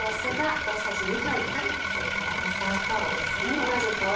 それから砂糖ですね。